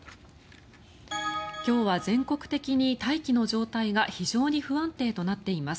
今日は全国的に大気の状態が非常に不安定となっています。